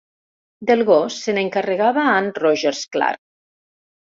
Del gos se n'encarregava Anne Rogers Clark.